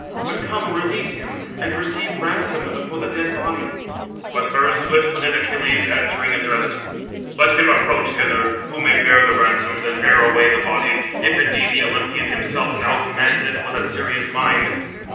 But come, release him, and receive ransoms for the dead body." But her swift footed Achilles, answering, addressed: "Let him approach hither, who may bear the ransoms, and bear away the body, if indeed the Olympian himself now commands it with a serious mind."